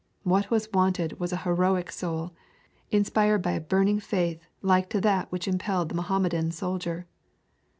What was wanted was an heroic soul, inspired by a burning faith like to that which impelled the Mohammedan soldier.